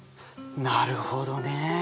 なるほどね。